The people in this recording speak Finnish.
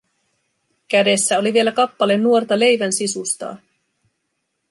Kädessä oli vielä kappale nuorta leivänsisustaa.